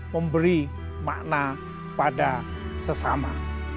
memberi makna pada sesama